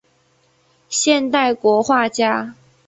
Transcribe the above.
现代国画家。